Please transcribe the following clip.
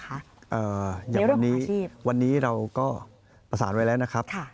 อย่างวันนี้วันนี้เราก็ประสานไว้แล้วนะครับ